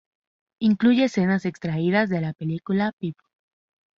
Incluye escenas extraídas de la película People.